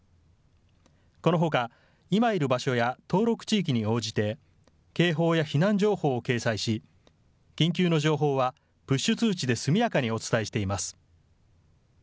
このほか、今いる場所や登録地域に応じて、警報や避難情報を掲載し、緊急の情報はプッシュ通知で速やかにお伝えしています。